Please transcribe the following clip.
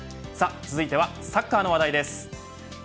続いてはサッカーの話題です。